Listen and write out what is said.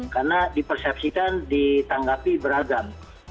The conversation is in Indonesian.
karena dipersepsikan ditanggapi beragam